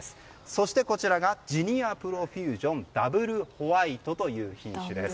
そして、こちらがジニアプロフュージョンダブルホワイトという品種です。